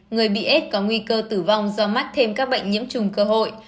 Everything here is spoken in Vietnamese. người bị aids có nguy cơ tử vong do mắc thêm các bệnh nhiễm chùng cơ hội